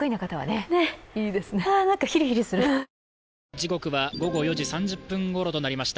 時刻は午後４時３０分ごろとなりました。